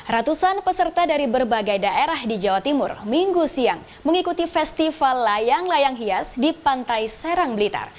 ratusan peserta dari berbagai daerah di jawa timur minggu siang mengikuti festival layang layang hias di pantai serang blitar